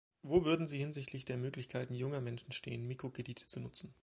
Wo würden Sie hinsichtlich der Möglichkeiten junger Menschen stehen, Mikrokredite zu nutzen?